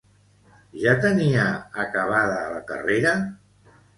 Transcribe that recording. Ja tenia acabada la carrera?